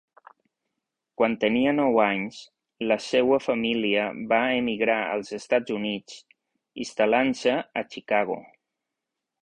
Quan tenia nou anys, la seua família va emigrar als Estats Units, instal·lant-se a Chicago.